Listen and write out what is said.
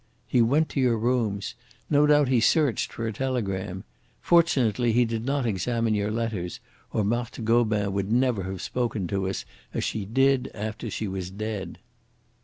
He went to your rooms. No doubt he searched for a telegram. Fortunately he did not examine your letters, or Marthe Gobin would never have spoken to us as she did after she was dead."